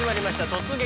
「突撃！